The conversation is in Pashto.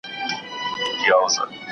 زه به سبا کالي وچوم